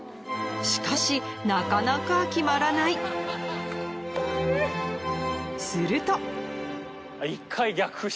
しかしなかなか決まらないすると行きます。